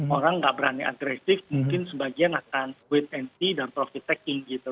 orang nggak berani agresif mungkin sebagian akan wait and see dan profit taking gitu